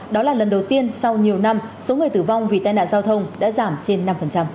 đó là lần đầu tiên sau nhiều năm số người tử vong vì tai nạn giao thông đã giảm trên năm